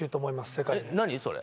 世界で何それ？